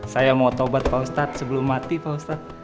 saya mau taubat pak ustadz sebelum mati pak ustadz